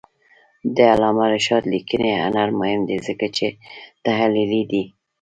د علامه رشاد لیکنی هنر مهم دی ځکه چې تحلیلي دی.